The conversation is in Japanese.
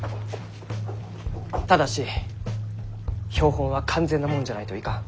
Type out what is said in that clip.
ただし標本は完全なもんじゃないといかん。